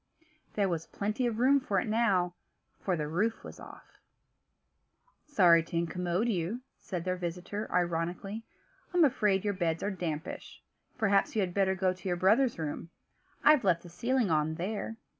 There was plenty of room for it now, for the roof was off. "Sorry to incommode you," said their visitor, ironically. "I'm afraid your beds are dampish; perhaps you had better go to your brother's room: I've left the ceiling on, there."